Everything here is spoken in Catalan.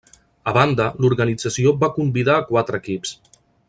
A banda, l'organització va convidar a quatre equips.